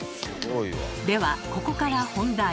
ではここから本題。